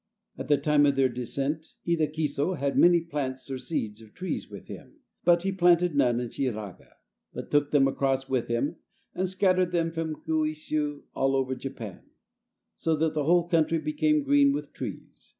At the time of their descent, Idakiso had many plants or seeds of trees with him, but he planted none in Shiraga, but took them across with him, and scattered them from Kuishiu all over Japan, so that the whole country became green with trees.